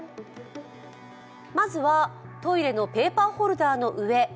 まずはトイレのペーパーフォルダーの上。